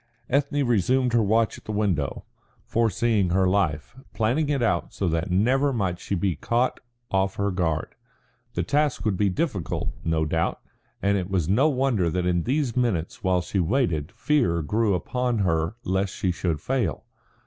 Ethne resumed her watch at the window, foreseeing her life, planning it out so that never might she be caught off her guard. The task would be difficult, no doubt, and it was no wonder that in these minutes while she waited fear grew upon her lest she should fail.